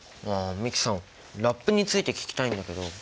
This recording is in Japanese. あっ美樹さんラップについて聞きたいんだけど。